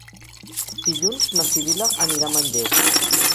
Dilluns na Sibil·la anirà a Manlleu.